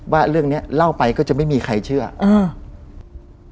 ว่าเรื่องเนี้ยเล่าไปก็จะไม่มีใครเชื่ออืม